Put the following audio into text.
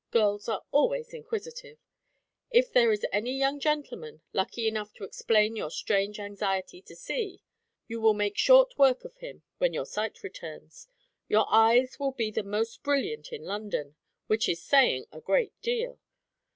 Girls are always inquisitive. If there is any young gentleman, lucky enough to explain your strange anxiety to see, you will make short work of him, when your sight returns. Your eyes will be the most brilliant in London; which is saying a great deal.